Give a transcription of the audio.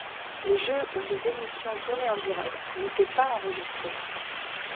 Les jeux ou les émissions tournés en direct n'étaient pas enregistrés.